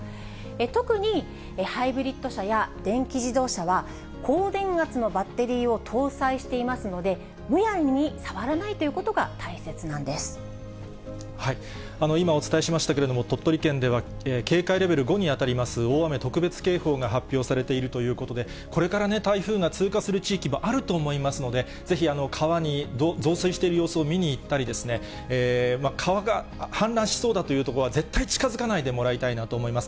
特にハイブリッド車や電気自動車は、高電圧のバッテリーを搭載していますので、むやみに触らないとい今、お伝えしましたけれども、鳥取県では警戒レベル５に当たります大雨特別警報が発表されているということで、これから台風が通過する地域もあると思いますので、ぜひ、川に増水している様子を見に行ったり、川が氾濫しそうだというところは絶対近づかないでもらいたいと思います。